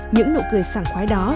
những nụ cười sảng khoái đó